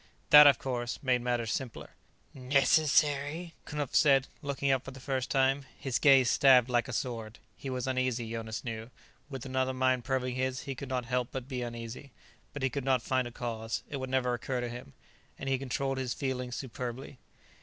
That, of course, made matters simpler. "Necessary?" Knupf said, looking up for the first time. His gaze stabbed like a sword. He was uneasy, Jonas knew; with another mind probing his, he could not help but be uneasy. But he could not find a cause; it would never occur to him. And he controlled his feelings superbly.